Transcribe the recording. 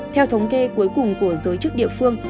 theo thống kê cuối cùng của giới chức địa phương